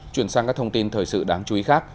chuyển sang các thông tin thời sự đáng chú ý khác